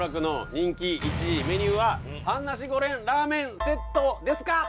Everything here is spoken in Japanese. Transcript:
人気１位メニューは半ナシゴレンラーメンセットですか？